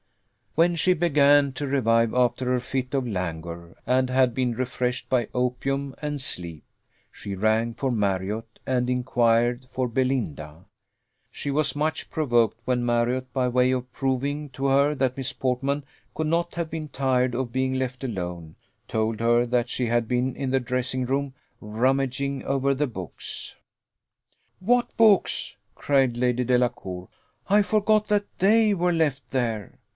When she began to revive after her fit of languor, and had been refreshed by opium and sleep, she rang for Marriott, and inquired for Belinda. She was much provoked when Marriott, by way of proving to her that Miss Portman could not have been tired of being left alone, told her that she had been in the dressing room rummaging over the books. "What books?" cried Lady Delacour. "I forgot that they were left there.